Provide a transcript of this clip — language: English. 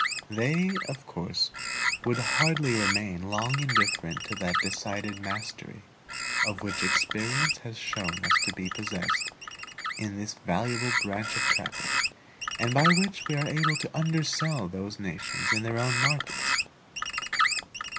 They, of course, would hardly remain long indifferent to that decided mastery, of which experience has shown us to be possessed in this valuable branch of traffic, and by which we are able to undersell those nations in their own markets.